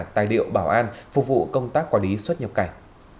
tài liệu bảo an phục vụ công tác quản lý xuất nhập cảnh